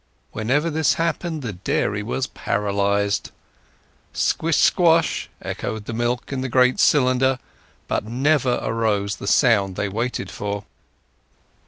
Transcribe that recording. Whenever this happened the dairy was paralyzed. Squish, squash echoed the milk in the great cylinder, but never arose the sound they waited for.